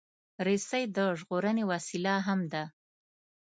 رسۍ د ژغورنې وسیله هم ده.